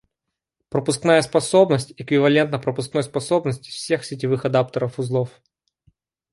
Пропускная способность эквивалентна пропускной способности всех сетевых адаптеров узлов